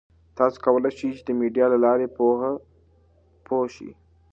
تاسي کولای شئ د میډیا له لارې پوهه شئ.